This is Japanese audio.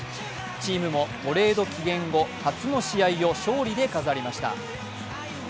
チームもトレード期限後初の試合を勝利で飾りました。